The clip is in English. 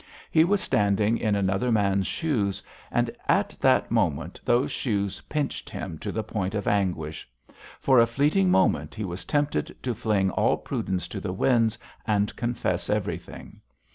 He was standing in another man's shoes, and at that moment those shoes pinched him to the point of anguish. For a fleeting moment he was tempted to fling all prudence to the winds and confess everything.